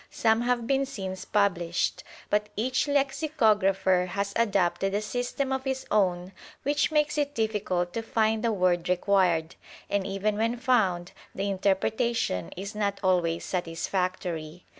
Some have been since published, but each lexicographer has adopted a system of his own which makes it difficult to find the word required, and even when found the interpretation is not always satisfactory.